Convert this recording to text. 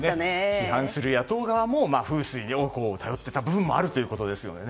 批判する野党側も風水に頼っていた部分もあるということですね。